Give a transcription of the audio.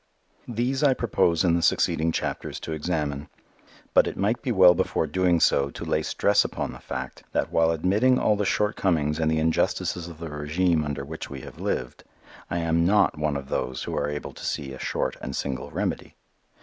These I propose in the succeeding chapters to examine. But it might be well before doing so to lay stress upon the fact that while admitting all the shortcomings and the injustices of the régime under which we have lived, I am not one of those who are able to see a short and single remedy.